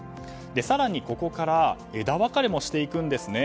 更にここから枝分かれもしていくんですね。